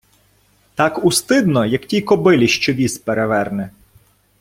Так устидно, як тій кобилі, що віз переверне.